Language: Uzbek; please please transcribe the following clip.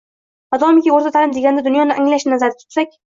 Modomiki, «o‘rta ta’lim» deganda «dunyoni anglash»ni nazarda tutsak